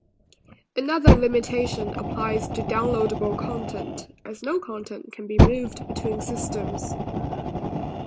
Another limitation applies to downloadable content, as no content can be moved between systems.